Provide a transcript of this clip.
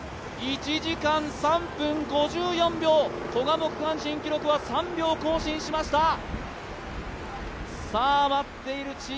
１時間３分５４秒、古賀の区間新記録は３秒更新しました。